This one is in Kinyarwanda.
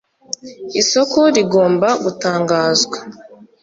isoko rigomba gutangazwa